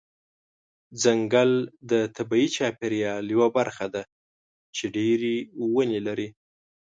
ځنګل د طبیعي چاپیریال یوه برخه ده چې ډیری ونه لري.